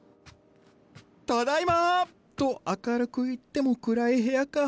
ただいま！と明るく言っても暗い部屋か。